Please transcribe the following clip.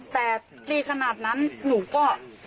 แต่ดีขนาดนั้นหนูก็